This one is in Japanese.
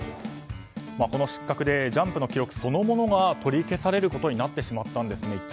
この失格でジャンプの記録そのものが取り消されることになってしまったんですね。